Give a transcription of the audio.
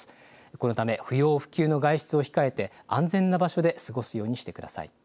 このため不要不急の外出を控えて安全な場所で過ごすようにしてください。